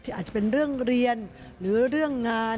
อาจจะเป็นเรื่องเรียนหรือเรื่องงาน